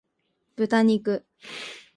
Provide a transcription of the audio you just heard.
豚肉